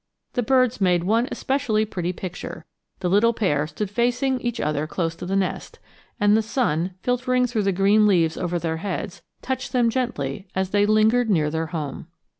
The birds made one especially pretty picture; the little pair stood facing each other close to the nest, and the sun, filtering through the green leaves over their heads, touched them gently as they lingered near their home.